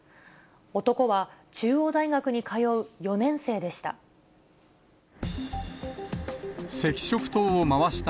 男は中央大学に通う４年生でした。